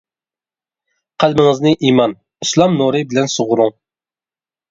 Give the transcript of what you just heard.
قەلبىڭىزنى ئىمان، ئىسلام نۇرى بىلەن سۇغۇرۇڭ.